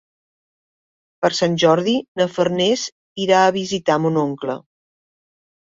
Per Sant Jordi na Farners irà a visitar mon oncle.